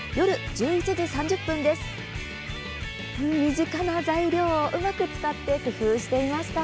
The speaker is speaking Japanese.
身近な材料をうまく使って工夫していました。